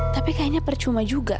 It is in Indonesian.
tapi kayaknya percuma juga